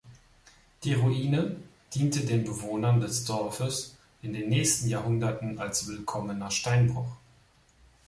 Die Ruine diente den Bewohnern des Dorfes in den nächsten Jahrhunderten als willkommener Steinbruch.